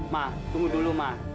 ma tunggu dulu ma